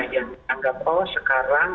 yang dianggap oh sekarang